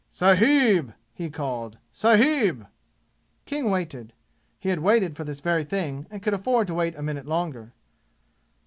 "Sahib!" he called. "Sahib!" King waited. He had waited for this very thing and could afford to wait a minute longer.